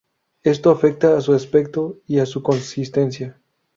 Esto afecta a su aspecto y a su consistencia.